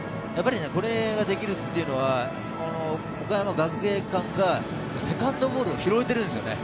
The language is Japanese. これができるというのは、岡山学芸館がセカンドボールを拾えているんです。